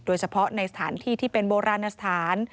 โดยเฉพาะในสถานที่ที่เป็นโบราณสถาน